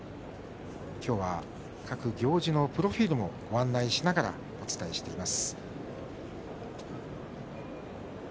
芝田山所属行司のプロフィールをご案内しながらお伝えしています。